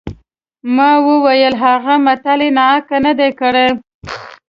ما وویل هغه متل یې ناحقه نه دی کړی.